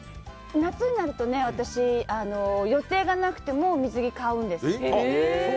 夏になると、私予定がなくても水着買うんです。